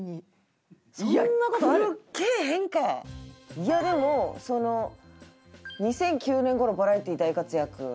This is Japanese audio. いやでもその２００９年頃バラエティで大活躍。